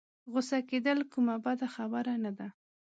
غوسه کېدل کومه بده خبره نه ده.